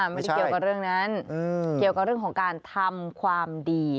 ไม่ได้เกี่ยวกับเรื่องนั้นเกี่ยวกับเรื่องของการทำความดี